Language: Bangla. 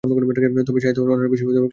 তবে সাহিত্য ও অন্যান্য বিষয়েও ক্লাস নিতেন।